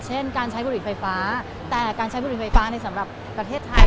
เช่นการใช้บุหรี่ไฟฟ้าแต่การใช้บุหรี่ไฟฟ้าในสำหรับประเทศไทย